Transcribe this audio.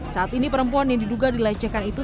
saat ini perempuan yang diduga dilecehkan itu